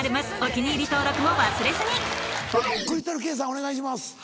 お願いします。